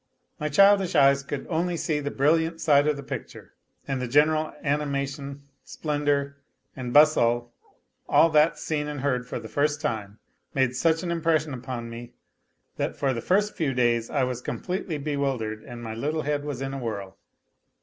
My childish eyes could only see the brilliant side of the picture, and the general animation, splendour, and bustle all that, seen and heard for the first time, made such an impression upon me that for the first few days, I was completely bewildered and my little head was in a whirl.